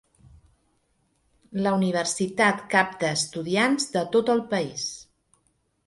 La universitat capta estudiants de tot el país.